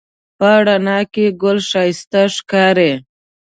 په رڼا کې ګل ښایسته ښکاري